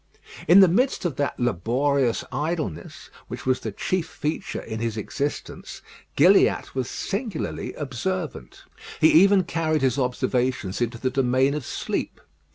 In the midst of that laborious idleness, which was the chief feature in his existence, Gilliatt was singularly observant. He even carried his observations into the domain of sleep.